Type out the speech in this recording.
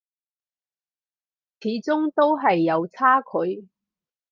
始終都係有差距